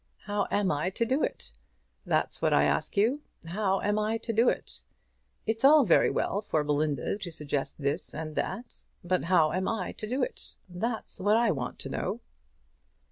How am I to do it? That's what I ask you. How am I to do it? It's all very well for Belinda to suggest this and that. But how am I to do it? That's what I want to know."